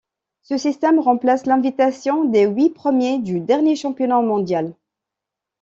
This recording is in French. Ce système remplace l'invitation des huit premiers du dernier championnat mondial.